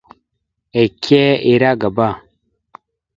Ike ira agaba.